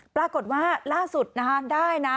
ปรากฏว่าล่าสุดนะคะได้นะ